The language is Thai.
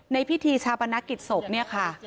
พิธีชาปนกิจศพเนี่ยค่ะ